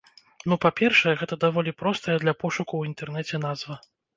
Ну, па-першае, гэта даволі простая для пошуку ў інтэрнэце назва.